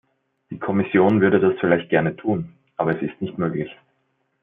Die Kommission würde das vielleicht gerne tun, aber es ist nicht möglich.